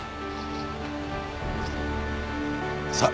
さあ。